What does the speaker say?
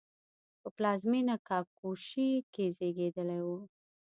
په پلازمېنه کاګوشی کې زېږېدلی و.